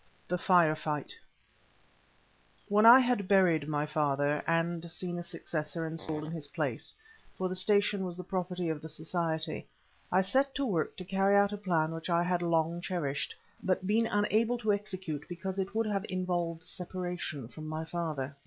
THE FIRE FIGHT When I had buried my father, and seen a successor installed in his place—for the station was the property of the Society—I set to work to carry out a plan which I had long cherished, but been unable to execute because it would have involved separation from my father.